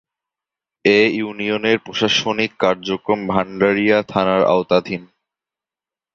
এ ইউনিয়নের প্রশাসনিক কার্যক্রম ভান্ডারিয়া থানার আওতাধীন।